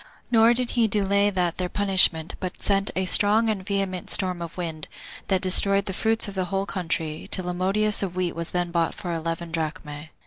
Nor did he delay that their punishment, but sent a strong and vehement storm of wind, that destroyed the fruits of the whole country, till a modius of wheat was then bought for eleven drachmae.